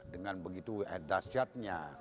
dengan begitu dasyatnya